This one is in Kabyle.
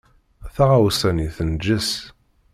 Taɣawsa-nni tenǧes.